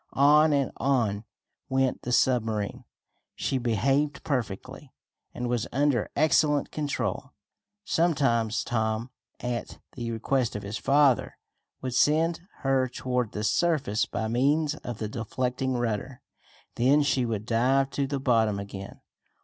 On and on went the submarine. She behaved perfectly, and was under excellent control. Some times Tom, at the request of his father, would send her toward the surface by means of the deflecting rudder. Then she would dive to the bottom again.